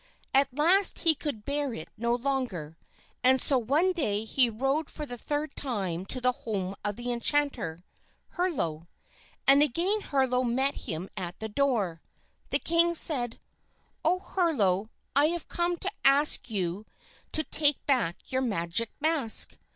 At last he could bear it no longer, and so one day he rode for the third time to the home of the enchanter, Herlo. And again Herlo met him at the door. The king said: "O Herlo, I have come to you to ask you to take back your magic mask.